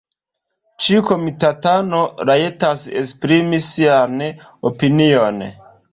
Ĉiu komitatano rajtas esprimi sian opinion.